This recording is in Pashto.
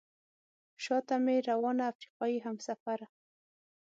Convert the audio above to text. شاته مې روانه افریقایي همسفره.